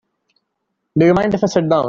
Do you mind if I sit down?